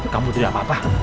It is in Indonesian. kamu tidak apa apa